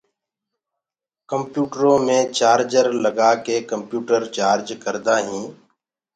ڪمپيوٽرو مي چآرجر لگآ ڪي ڪمپيوٽر چآرج ڪردآ هين